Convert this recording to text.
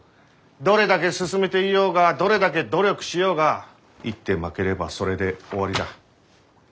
どれだけ進めていようがどれだけ努力しようが一手負ければそれで終わりだ。